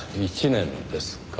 １年ですか。